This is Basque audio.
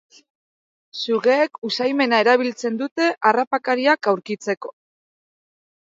Sugeek usaimena erabiltzen dute harrapakariak aurkitzeko.